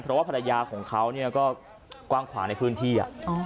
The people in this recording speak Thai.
เพราะว่าภรรยาของเขาก็กว้างขวางในพื้นที่